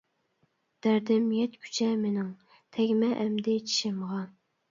دەردىم يەتكۈچە مېنىڭ، تەگمە ئەمدى چىشىمغا.